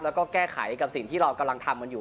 แล้วก็แก้ไขกับสิ่งที่เรากำลังทำกันอยู่